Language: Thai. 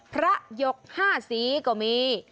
พระยกห้าศรีก็มี